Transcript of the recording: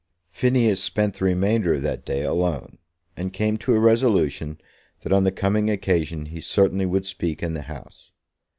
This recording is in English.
Phineas spent the remainder of that day alone, and came to a resolution that on the coming occasion he certainly would speak in the House.